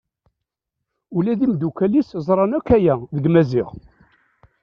Ula d imddukal-is ẓran akk aya deg Maziɣ.